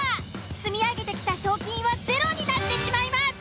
積み上げてきた賞金はゼロになってしまいます。